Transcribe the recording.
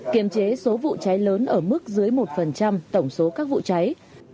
kiềm chế số vụ cháy lớn ở mức dưới một tổng số các vụ cháy